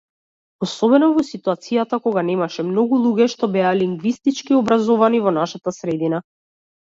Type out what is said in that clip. Особено во ситуацијата кога немаше многу луѓе што беа лингвистички образовани во нашата средина.